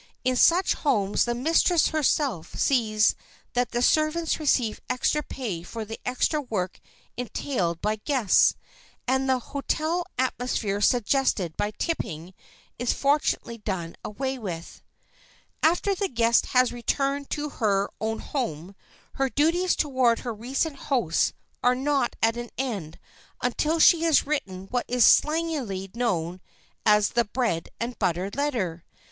In such homes the mistress herself sees that the servants receive extra pay for the extra work entailed by guests, and the hotel atmosphere suggested by tipping is fortunately done away with. [Sidenote: THE BREAD AND BUTTER NOTE] After the guest has returned to her own home, her duties toward her recent hosts are not at an end until she has written what is slangily known as "the bread and butter letter."